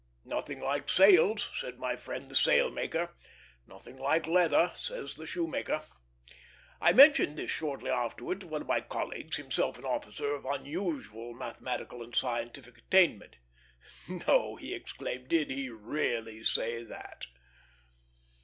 Nothing like sails, said my friend the sailmaker; nothing like leather, says the shoemaker. I mentioned this shortly afterwards to one of my colleagues, himself an officer of unusual mathematical and scientific attainment. "No!" he exclaimed; "did he really say that?"